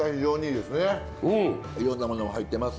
いろんなものが入ってます。